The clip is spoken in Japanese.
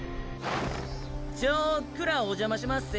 ちょっくらお邪魔しまっせ。